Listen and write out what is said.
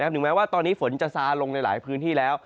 ถึงแม้ว่าตอนนี้ฝนจะซาลงในหลายพื้นที่แล้ว